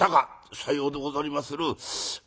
「さようでござりまする。